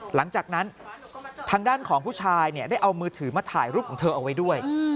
หลังจากนั้นทางด้านของผู้ชายได้เอามือถือมาถ่ายรูปของเธอเอาไว้ด้วย